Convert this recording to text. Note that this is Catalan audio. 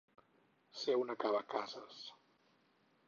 Ser un acabacases.